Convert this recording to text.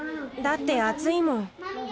だって暑いもん。